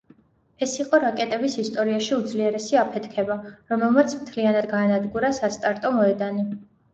ეს იყო რაკეტების ისტორიაში უძლიერესი აფეთქება, რომელმაც მთლიანად გაანადგურა სასტარტო მოედანი.